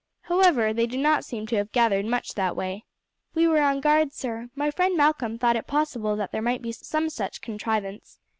However, they do not seem to have gathered much that way." "We were on guard, sir; my friend Malcolm thought it possible that there might be some such contrivance."